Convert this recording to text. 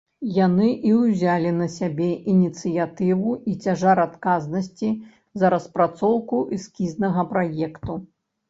Яны і ўзялі на сябе ініцыятыву і цяжар адказнасці за распрацоўку эскізнага праекту.